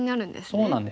そうなんです。